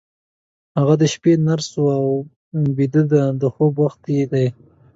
هغه د شپې نرس وه، اوس بیده ده، د خوب وخت یې دی.